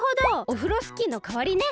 オフロスキーのかわりね。